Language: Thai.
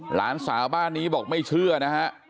หลานสาวบ้านนี้บอกไม่เชื่อนะฮะ